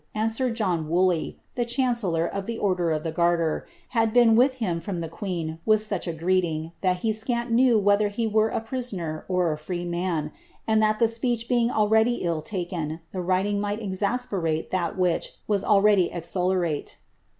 sad sir John Woolley, the chancellor of the order of the garter, had betn with him from the queen with such a greeting, that he scant knes whether he were a prisoner or a free man; and that the speech beiii| already ill taken, the wriitng might exasperate ihai which was alreadv exulcerale."